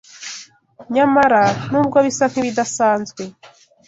Nyamara, nubwo bisa nk’ibidasanzwe